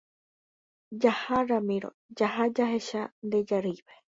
Jaha Ramiro, jaha jahecha nde jarýipe.